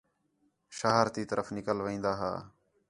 شہر تی طرف نِکل وین٘دا ہا